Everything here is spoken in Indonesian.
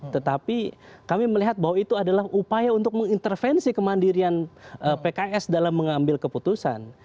tetapi kami melihat bahwa itu adalah upaya untuk mengintervensi kemandirian pks dalam mengambil keputusan